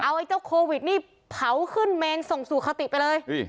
เอาไอ้เจ้าโควิดนี่เผาขึ้นเมนส่งสู่คติไปเลย